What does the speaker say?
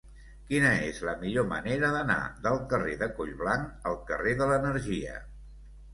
Quina és la millor manera d'anar del carrer de Collblanc al carrer de l'Energia?